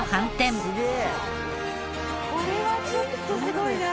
「これはちょっとすごいな」